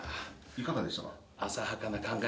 いかがでしたか？